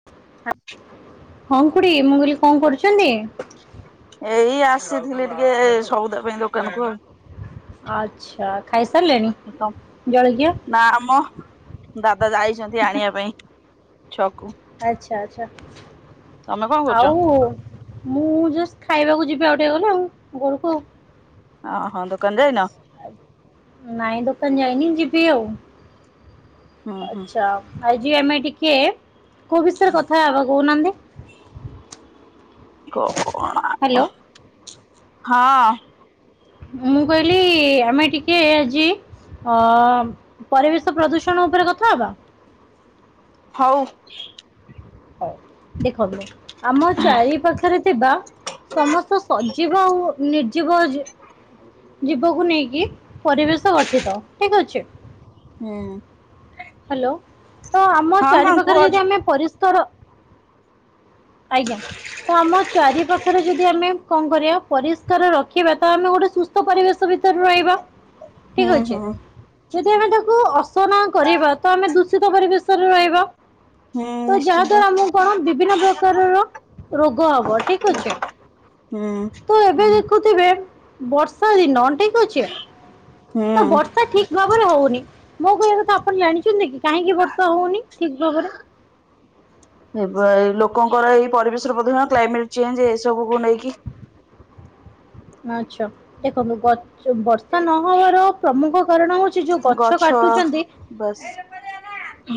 [unintelligible] ହଁ ଖୁଡି ମୁଁ କଇଲି କଣ କରୁଚନ୍ତି? ଏଇ ଆସିଥିଲି ଟିକେ ସଉଦା ପାଇଁ ଦୋକାନକୁୁ ଆଉ ଆଚ୍ଛା ଖାଇସାରିଲେଣିି ଜଳଖିଆ? ନିଆମ। ଦାଦା ଯାଇଚ଼ନ୍ତି ଆଣିବା ପାଇଁ ଛୁଆକୁ। ଆଚଛା ଆଚଛା ତମେ କଣ କରୁଛ? ଆଉ ମୁଁ ଜଷ୍ଟ ଖାଇବାକୁ ଯିବି ଆଉ ଟିକେ ଗଲେ ଆଉ ଘରକୁ ଆଉ ଅ ହଁ ଦୋକାନ ଯାଇନ? ନାଇଁ ଦୋକାନ ଯାଇନି ଯିବି ଆଉ ହୁଁ ହୁଁ ଆଚଛା। ଆଜି ଆମେ ଟିକେ କୋଉ ବିଷୟରେ କଥା ହବା କହୁନାହାନ୍ତି? ହ୍ୟାଲୋ [unintelligible] ହଁ। ମୁଁ କହିଲି ଆମେ ଟିକେ ଆଜି ପରିବେଶ ପ୍ରଦୂଷଣ ଉପରେ କଥା ହବା? ହଉ। ଦେଖନ୍ତୁ ଆମ ଚାରି ପାଖରେ ଥିବା। ସମସ୍ତ ସଜୀବ ଆଉ ନିର୍ଜୀବ ଜୀବକୁ ନେଇକି ପରିବେଶ ଗଠିତ ଠିକ୍‌ ଅଛି। ହୁଁ। ହ୍ୟାଲୋ ତ ଆମ ହଁ ଚାରି ହଁ କୁହ ପାାଖରେ ଯଦି ଆମେ ପରିଷ୍କାର ଆଜ୍ଞା। ତ ଆମ ଚାରି ପାଖରେ ଯଦି ଆମେ କଣ କରିବା ପରିଷ୍କାର ରଖିବା, ତ ଆମେ ଗୋଟେ ସୁସ୍ ସୁସ୍ଥ ପରିବେଶ ଭିତରେ ରହିବା। ହୁଁ ଠିକ୍ ଅଛି। ହୁଁ ଯଦି ଆମେ ତାକୁ ଅସନା କରିବା ତ ଆମେ ଦୂଷିତ ପରିବେଶରେ ରହିବା। ହୁଁ ତ ନିଶ୍ଚିନ୍ତ ଯାହାଦ୍ଵାରା ଆମକୁ କଣ ବିଭିନ୍ନ ପ୍ରକାରର ରୋଗ ହବ। ଠିକ୍ ଅଛି। ହୁଁ ତ ଏବେ ଦେ ଖୁଥିବେ ବର୍ଷା ଦିନ ଠିକ୍ ଅଛି। ତ ହୁଁ। ବର୍ଷା ଠିକ୍ ଭାବରେ ହଉନି। ମୋ କହିବା କଥା ଆପଣ ଜାଣି ଚନ୍ତି କି କାହିଁକି ବର୍ଷା ହଉନି ଠିକ୍ ଭାବରେ? ଏ ବ ଲୋକଙ୍କର ଏଇ ପରିବେଶ ର ପ୍ରଦୂଷଣ କ୍ଲାଇମେଟ୍ ଚେଞ୍ଜ ଏ ସବୁ କୁ ନେଇକି। ଆଚ୍ଛା। ଦେଖନ୍ତୁ ବ ବର୍ଷା ନହବାର ପ୍ରମୁଖ କାରଣ ହଉଚି ଗଛ ବସ୍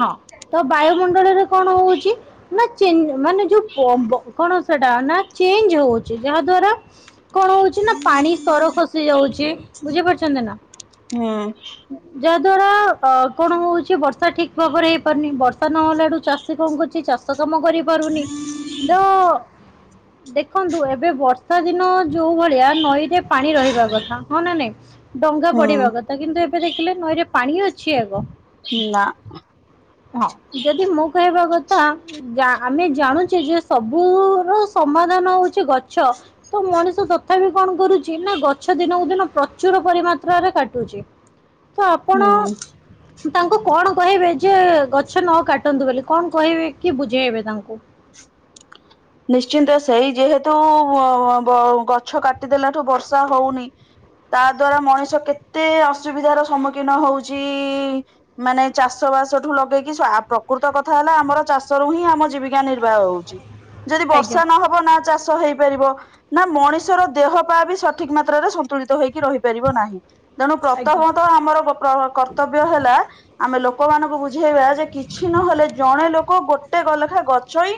ହଁ। ତ ବାୟୁମଣ୍ଡଳରେ କଣ ହଉଚି ନା ଚେଞ୍ଜ ମାନେ ଯୋଉ ପ ବ କୋଣସି [unintelligible] ଚେଞ୍ଜ ହଉଚି। ଯାହା ଦ୍ୱାରା କଣ ହଉଚି ନା ପାଣି ସ୍ତର ଖସି ଯାଉଚି। ବୁଝିପାରୁଛନ୍ତି ନା। ହୁଁ ଯାହାଦ୍ଵାରା ଅ କଣ ହଉଚି ବର୍ଷା ଠିକ୍ ଠିକ୍ ଭାବରେ ହେଇପାରୁନି। ବର୍ଷା ନହେଲା ଠୁ ଚାଷୀ କଣ କରୁଚି ଚାଷ କାମ କରିପାରୁନି। ତ ଦେଖନ୍ତୁ ଏବେ ବର୍ଷା ଦିନ ଯୋଉ ଭଳିଆ ନଈରେ ପାଣି ରହିବା କଥା। ହଁ ନା ନାଇଁ। ଡଙ୍ଗା ହୁଁ ପଡିବା କ ତ କିନ୍ତୁ ଏବେ ଦେଖିଲେ ନଈରେ ପାଣି ଅଛି ଆଗ। ନା। ହଁ, ଯଦି ମୋ କହିବା କଥା ଜା ଆମେ ଜାଣୁଚେ ଯେ ସବୁ ର ସମାଧାନ ହଉଚି ଗଛ। ତ ମଣିଷ ତଥାପି କଣ କରୁଚି ନା ଗଛ ଦିନକୁ ଦିନ ପ୍ରଚୁର ପରିମାତ୍ରାରେ କାଟୁଚି। [unintelligible] [unintelligible] ତାଙ୍କୁ କଣ କହିବେ ଯେ ଗଛ ନ କାଟନ୍ତୁ ବୋଲି। କଣ କହିବେ କି ବୁଝେଇବେ ତାଙ୍କୁ? ନିଶ୍ଚିନ୍ତ ସେଇ ଯେହେତୁ ବ ଗଛ କାଟିଦେଲା ଠୁ ବର୍ଷା ହଉନି। ତା ଦ୍ଵାରା ମଣିଷ କେତେ ଅସୁବିଧାର ସମ୍ମୁଖୀନ ହଉଚି। ମାନେ ଚାଷ ବାସ ଠୁ ଲଗେଇକି ସା ପ୍ରକୃତ କଥା ହେଲା ଆମର ଚାଷରୁ ହିଁ ଆମ ଜୀବିକା ନିର୍ବାହ ହଉଚି। ଯଦି ଆଜ୍ଞା ବର୍ଷା ନ ହବ ନା ଚାଷ ହେଇପାରିବ ନା ମଣିଷର ଦେହ ପା ବି ସଠିକ୍ ମାତ୍ରାରେ ସନ୍ତୁଳିତ ହୋଇକି ରହିପାରିବ ନାହିଁ। ତେଣୁ ଆଜ୍ଞା ପ୍ରଥମ ତଃ ଆମର ଗୋ ପ୍ର କର୍ତ୍ତବ୍ୟ ହେଲା ଆମେ ଲୋକମାନଙ୍କୁ ବୁଝେଇବା ଯେ କିଛି ନହେଲେ ଜଣେ ଲୋକ ଗୋଟେ ଗ ଲେଖା ଗଛ ହିଁ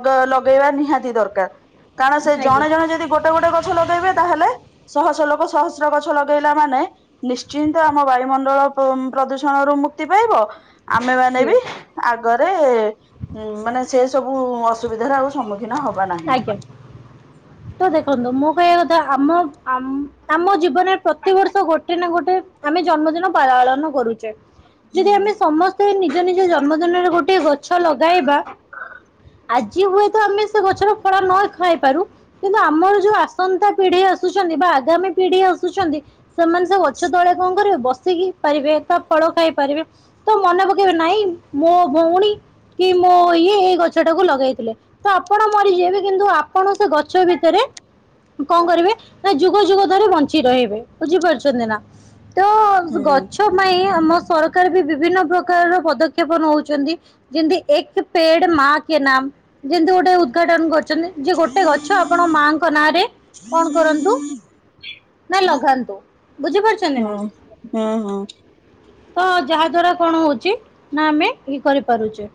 ଦ ଲଗେଇବା ନିହାତି ଦରକାର। କାରଣ ସେ ଆଜ୍ଞା ଜଣେ ଜଣେ ଯଦି ଗୋଟେ ଗୋଟେ ଗଛ ଲଗେଇବେ ତାହେଲେ ଶହ ଶହ ଲୋକ ସହସ୍ର ଗଛ ଲଗେଇଲା ମାନେ ନିଶ୍ଚିନ୍ତ ଆମ ବାୟୁମଣ୍ଡଳ ପ ପ୍ରଦୂଷଣରୁୁ ମୁକ୍ତି ପାଇବ ଆମେ ମାନେ ଆଜ୍ଞା ବି ଆଗରେ ଉଁ ମାନେ ସେ ସବୁ ଅସୁବିଧାରେ ଆଉ ସମ୍ମୁଖୀନ ହବା ନାହିଁ। ଆଜ୍ଞା। ତ ଦେଖନ୍ତୁ ମୁଁ କହିବା କଥା ଆମ ଆମ୍ ଆମ ଜୀବନରେ ପ୍ରତିିବର୍ଷ ଗୋଟେ ନା ଗୋଟେ ଆମେ ଜନ୍ମଦିନ ପାଳନ କରୁଚେ। ଯଦି ହୁଁ ଆମେ ସମସ୍ ସ୍ତେ ନିଜ ନିଜ ଜନ୍ମଦିନରେ ଗୋଟିଏ ଗଛ ଲଗାଇବା ଆଜି ହୁଏ ତ ଆମେ ସେ ଗଛରୁ ଫଳ ନ ଖାଇ ପାରୁ କିନ୍ତୁ ଆମର ଯୋଉ ଆସନ୍ତା ପିଢି ଆସୁଛନ୍ତି ବା ଆଗାମୀ ପିଢି ଆସୁଛନ୍ତି ସେମାନେ ସେ ଗଛ ତଳେ କଣ କରିବେ ବସିକି ପାରିବେ। ବା ଫଳ ଖାଇ ପାରିବେ। ତ ମନେ ପକେଇବେ ନାଇଁ ମୋ ଭଉଣୀ କି ମୋ ଇଏ ଏଇ ଗଛ ଟାକୁ ଲଗେଇଥିଲେ। ତ ଆପଣ ମରିଯିବେ କିନ୍ତୁ ଆପଣ ସେ ଗ ଗଛ ଭିତରେ କଣ କରିବେ ନା ଯୁଗ ଯୁଗ ଧରେ ବଞ୍ଚି ରହିବେ। ବୁଝିପାରୁଛନ୍ତି ନା? ତ ହୁଁ ଗଛ ପାଇଁ ଆମ ସରକାର ବି ବିଭିନ୍ନ ପ୍ରକାରର ପଦକ୍ଷେପ ନଉଚନ୍ତି। ଯେମତି ଏକ ପେଡ ମାଆ କେ ନାମ ଯେମତି ଗୋଟେ ଉଦଘାଟନ କରଚନ୍ତି ଯେ ଗୋଟେ ଗ ଆପଣ ମାଙ୍କ ନାଁରେ କଣ କରନ୍ତୁ ନା ଲଗାନ୍ତୁ ବୁଝିପାରୁଚନ୍ତି ହୁଁ ନା? ହୁଁ ହୁଁ। ତ ଯାହା ଦ୍ଵାରା କଣ ହୋଉଚି ନା ଆମେ ଇଏ କରିପାରୁଚେ।